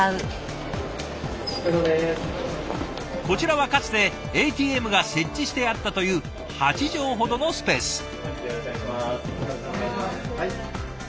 こちらはかつてＡＴＭが設置してあったという８畳ほどのスペース。